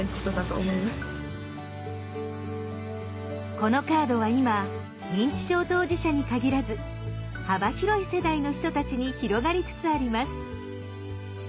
このカードは今認知症当事者に限らず幅広い世代の人たちに広がりつつあります。